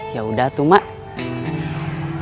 ya udah tuh mak